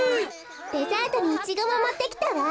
デザートにイチゴももってきたわ。